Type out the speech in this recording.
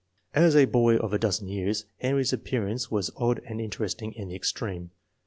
As a boy of a dozen years, Henry's appearance was odd and interesting in the extreme.